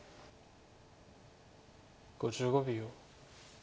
５５秒。